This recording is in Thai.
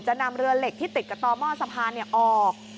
นำเรือเหล็กที่ติดกับต่อหม้อสะพานออก